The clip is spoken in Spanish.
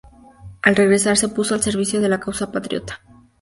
Al regresar, se puso al servicio de la causa patriota.